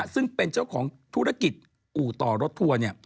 ซึ่งเป็นเจ้าของธุรกิจอู่ต่อรถทัวร์